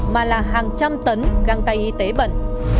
mà là hàng trăm tấn găng tay y tế bẩn